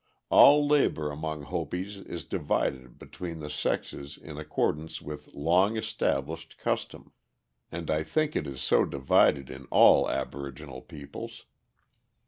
All labor among Hopis is divided between the sexes in accordance with long established custom, and I think it is so divided in all aboriginal peoples.